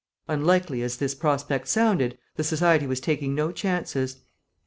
Unlikely as this prospect sounded, the society was taking no chances.